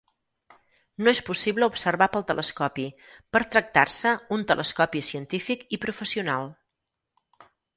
No és possible observar pel telescopi per tractar-se un telescopi científic i professional.